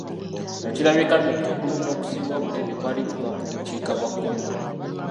Ne kirabika nno nti okulumba okusinga obunene kwali kuva ku bukiika bwa kkono.